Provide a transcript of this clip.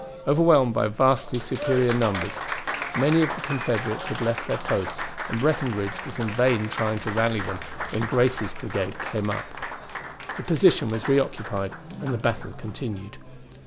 Overwhelmed by vastly superior numbers, many of the Confederates had left their posts, and Breckenridge was in vain trying to rally them when Gracie's brigade came up. The position was reoccupied and the battle continued.